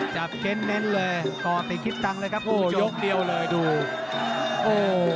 จับเช้นเง็นเลยต่อตีกคิดตังเลยครับคุณผู้ชม